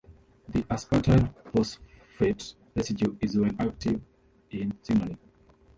The aspartyl phosphate residue is then active in signaling.